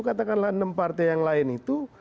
katakanlah enam partai yang lain itu